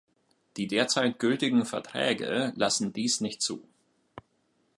Die derzeit gültigen Verträge lassen dies nicht zu.